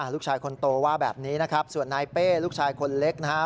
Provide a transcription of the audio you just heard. ลูกชายคนโตว่าแบบนี้นะครับส่วนนายเป้ลูกชายคนเล็กนะฮะ